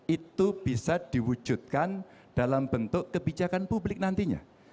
itu bisa diwujudkan dalam bentuk kebijakan publik nantinya